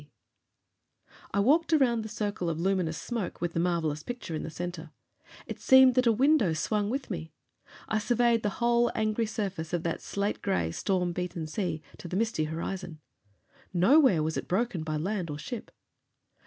I walked around the circle of luminous smoke with the marvelous picture in the center. It seemed that the window swung with me. I surveyed the whole angry surface of that slate gray, storm beaten sea, to the misty horizon. Nowhere was it broken by land or ship.